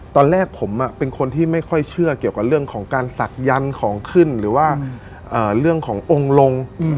ตอนแรกผมเป็นคนที่ไม่ค่อยเชื่อเกี่ยวกับเรื่องของการศักดิ์ของขึ้นหรือว่าเรื่องขององค์ลง